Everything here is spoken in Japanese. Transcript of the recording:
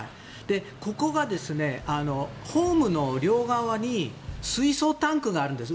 ここがホームの両側に水槽タンクがあるんです。